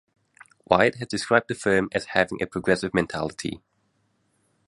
Wired has described the firm as having a progressive mentality.